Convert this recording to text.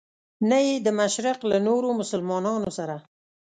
نه یې د مشرق له نورو مسلمانانو سره.